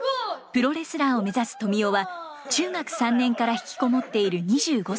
プロレスラーを目指すトミオは中学３年から引きこもっている２５歳。